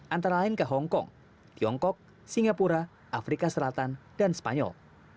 antara lain ke hongkong tiongkok singapura afrika selatan dan spanyol